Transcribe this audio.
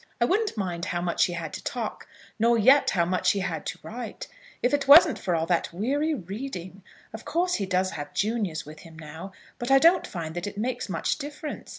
I wouldn't mind how much he had to talk, nor yet how much he had to write, if it wasn't for all that weary reading. Of course he does have juniors with him now, but I don't find that it makes much difference.